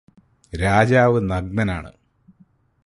രാജാവ് നഗ്നനാണ്.